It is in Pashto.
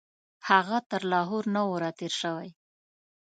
هغه تر لاهور نه وو راتېر شوی.